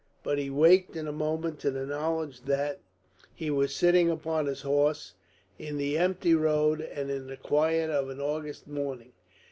But he waked in a moment to the knowledge that he was sitting upon his horse in the empty road and in the quiet of an August morning.